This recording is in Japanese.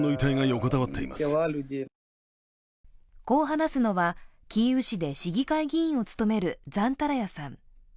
こう話すのは、キーウ市で市議会議員を務めるザンタラヤさん。